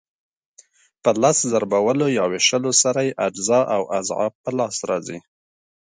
په لس ضربولو یا وېشلو سره یې اجزا او اضعاف په لاس راځي.